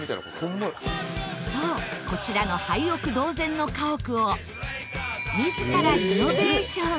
そうこちらの廃屋同然の家屋を自らリノベーション。